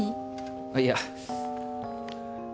あっいや